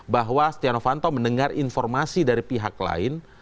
bahwa stiano fanto mendengar informasi dari pihak lain